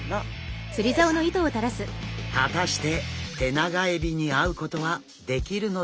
果たしてテナガエビに会うことはできるのでしょうか？